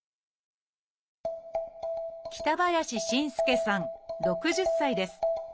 北林新介さん６０歳です。